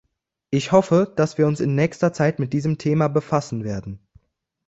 Ich hoffe, dass wir uns in nächster Zeit mit diesem Thema befassen werden.